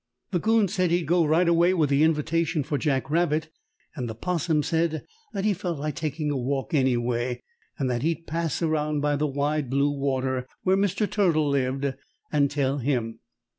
The 'Coon said he'd go right away with the invitation for Jack Rabbit, and the 'Possum said that he felt like taking a walk anyway, and that he'd pass around by the Wide Blue Water where Mr. Turtle lived, and tell him.